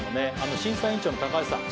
審査員長の高橋さん。